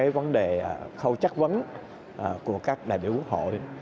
vấn đề khâu chất vấn của các đại biểu quốc hội